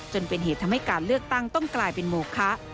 จนเป็นเหตุทำให้การเลือกตั้งต้องกลายเป็นโมคะ